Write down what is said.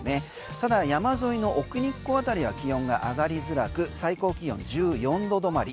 ただ、山沿いの奥日光辺りは気温が上がりづらく最高気温１４度止まり。